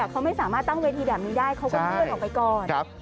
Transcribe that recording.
เขาไม่สามารถตั้งเวทีแบบนี้ได้เขาก็เลื่อนออกไปก่อน